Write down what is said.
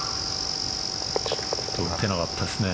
ちょっと打てなかったですね。